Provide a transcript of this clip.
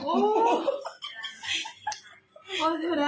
อุ๊ยไม่อยากเหมือนกัน